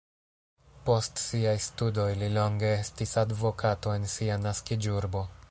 Post siaj studoj li longe estis advokato en sia naskiĝurbo.